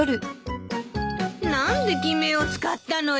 何で偽名を使ったのよ？